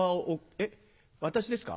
え私ですか？